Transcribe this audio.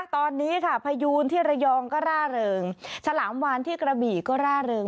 ตอนนี้ค่ะพยูนที่ระยองก็ร่าเริงฉลามวานที่กระบี่ก็ร่าเริง